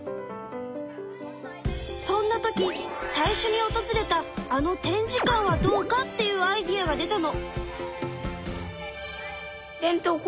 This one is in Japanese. そんな時最初におとずれたあの展示館はどうかっていうアイデアが出たの。